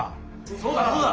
そうだそうだ！